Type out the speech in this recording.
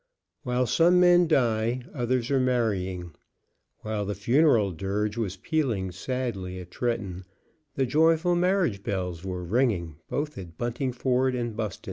While some men die others are marrying. While the funeral dirge was pealing sadly at Tretton, the joyful marriage bells were ringing both at Buntingford and Buston.